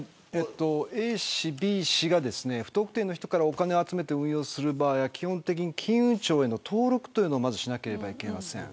Ａ氏、Ｂ氏が不特定の人からお金を集めて運用する場合は基本的に金融庁への登録をまずしなければいけません。